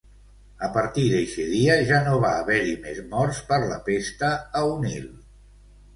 A partir d'eixe dia ja no va haver-hi més morts per pesta a Onil.